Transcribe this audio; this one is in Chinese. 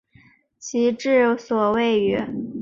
其治所位于。